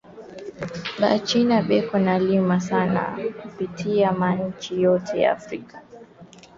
Ba china beko na lima sana kupita ma inchi yote ya afrika